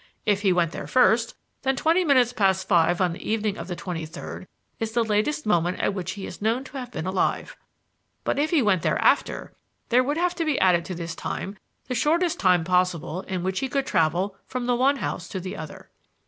If he went there first, then twenty minutes past five on the evening of the twenty third is the latest moment at which he is known to have been alive; but if he went there after, there would have to be added to this time the shortest time possible in which he could travel from the one house to the other.